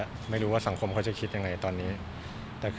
เอาตรงผมผมไม่อยากตอบอะไรมาก